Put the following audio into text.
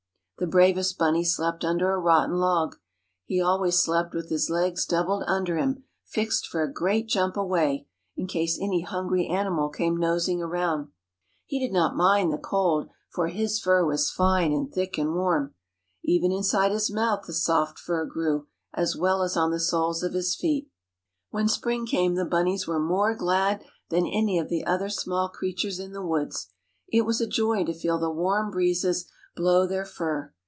The bravest bunny slept under a rotten log. He always slept with his legs doubled under him, fixed for a great jump away, in case any hungry animal came nosing around. He did not mind the cold, for his fur was fine and thick and warm. Even inside his mouth the soft fur grew, as well as on the soles of his feet. When spring came the bunnies were more glad than any of the other small creatures in the woods. It was a joy to feel the warm breezes blow their fur.